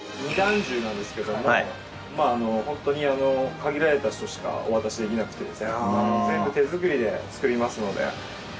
２段重なんですけどもホントに限られた人しかお渡しできなくて全部手作りで作りますので。